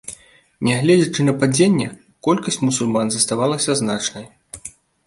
Нягледзячы на падзенне, колькасць мусульман заставалася значнай.